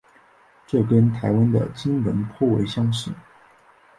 这跟台湾的金门颇为相似。